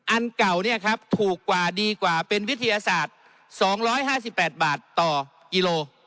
อันเก่าเนี่ยครับถูกกว่าดีกว่าเป็นวิทยาศาสตร์สองร้อยห้าสิบแปดบาทต่อกิโล